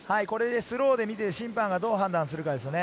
スローで見て審判がどう判断するかですね。